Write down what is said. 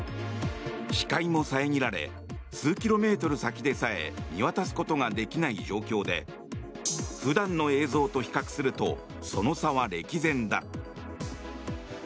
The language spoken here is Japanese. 視界も遮られ数キロメートル先でさえ見渡すことができない状況で普段の映像と比較するとその差は歴然だ。